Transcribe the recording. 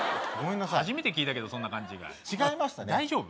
初めて聞いたけどそんな勘違い違いましたね